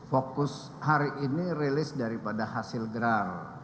fokus hari ini rilis daripada hasil gelar